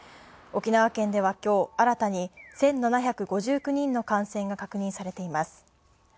沖縄県では今日、新たに１７５９人の感染が確認されています。